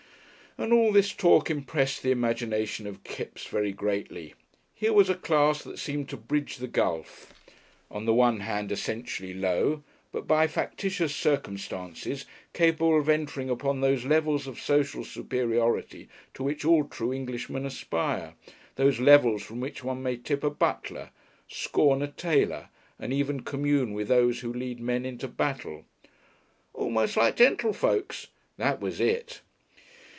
And all this talk impressed the imagination of Kipps very greatly. Here was a class that seemed to bridge the gulf. On the one hand essentially Low, but by factitious circumstances capable of entering upon those levels of social superiority to which all true Englishmen aspire, those levels from which one may tip a butler, scorn a tailor, and even commune with those who lead "men" into battle. "Almost like gentlefolks" that was it!